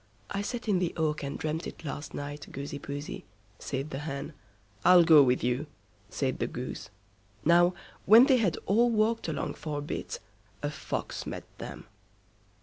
"I sat in the oak and dreamt it last night, Goosey Poosey", said the Hen. "I'll go with you", said the Goose. Now when they had all walked along for a bit, a Fox met them.